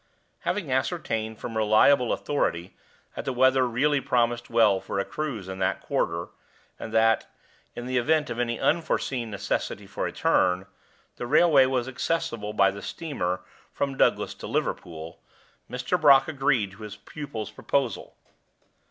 Having ascertained from reliable authority that the weather really promised well for a cruise in that quarter, and that, in the event of any unforeseen necessity for return, the railway was accessible by the steamer from Douglas to Liverpool, Mr. Brock agreed to his pupil's proposal.